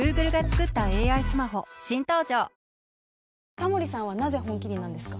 タモリさんはなぜ「本麒麟」なんですか？